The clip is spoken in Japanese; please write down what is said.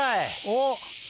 おっ。